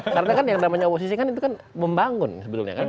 karena kan yang namanya oposisi kan itu kan membangun sebelumnya kan